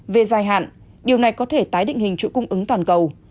về dài hạn điều này có thể tái định hình chuỗi cung ứng toàn cầu